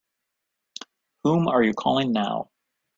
Whom are you calling now?